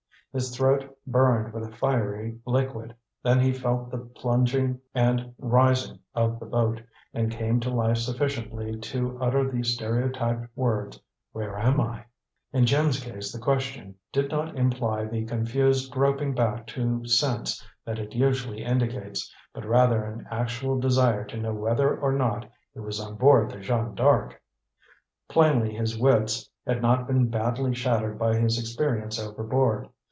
His throat burned with a fiery liquid. Then he felt the plunging and rising of the boat, and came to life sufficiently to utter the stereotyped words, "Where am I?" In Jim's case the question did not imply the confused groping back to sense that it usually indicates, but rather an actual desire to know whether or not he was on board the Jeanne D'Arc. Plainly his wits had not been badly shattered by his experience overboard.